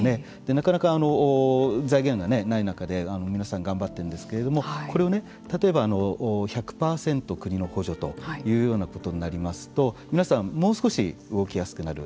なかなか財源がない中で皆さん頑張っているんですけれどもこれを例えば１００％国の補助というようなことになりますと皆さんもう少し動きやすくなる。